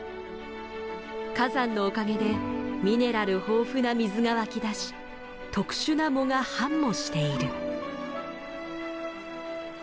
火山のおかげでミネラル豊富な水が湧き出し特殊な藻が繁茂している。